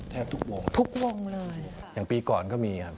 แทบทุกวงทุกวงเลยอย่างปีก่อนก็มีครับ